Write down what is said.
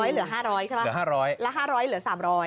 ๘๐๐เหลือ๕๐๐๕๐๐เหลือ๓๐๐